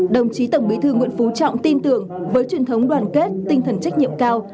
đồng chí tổng bí thư nguyễn phú trọng tin tưởng với truyền thống đoàn kết tinh thần trách nhiệm cao